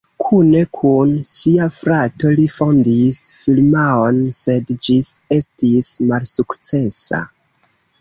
Kune kun sia frato li fondis firmaon, sed ĝis estis malsukcesa.